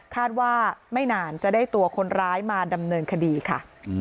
คาดว่าไม่นานจะได้ตัวคนร้ายมาดำเนินคดีค่ะ